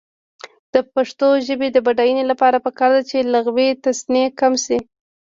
د پښتو ژبې د بډاینې لپاره پکار ده چې لغوي تصنع کم شي.